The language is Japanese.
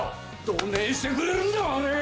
どねぇしてくれるんだわれ！